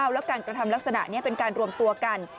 แล้วการกระทำลักษณะนี้เป็นการรวมตัวกัน